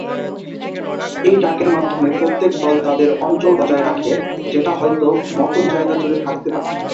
এই ডাকের মাধ্যমে প্রত্যেক দল তাদের অঞ্চল বজায় রাখে, যেটা হয়তো মতোন জায়গা জুড়ে থাকতে পারে।